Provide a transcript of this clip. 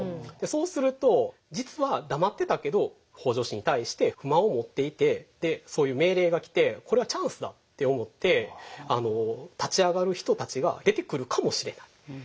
そうすると実は黙ってたけど北条氏に対して不満を持っていてそういう命令が来てこれはチャンスだと思って立ち上がる人たちが出てくるかもしれない。